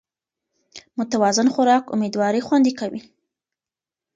متوازن خوراک امېدواري خوندي کوي